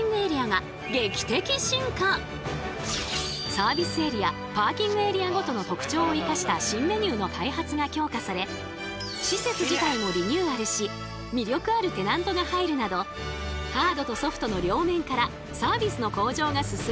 サービスエリアパーキングエリアごとの特徴を生かした施設自体もリニューアルし魅力あるテナントが入るなどハードとソフトの両面からサービスの向上が進んだのです。